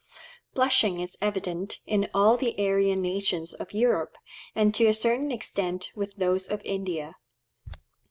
Blushing is evident in all the Aryan nations of Europe, and to a certain extent with those of India.